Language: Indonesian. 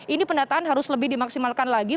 ini pendataan harus lebih dimaksimalkan lagi